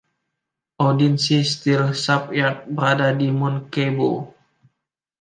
Odense Steel Shipyard berada di Munkebo.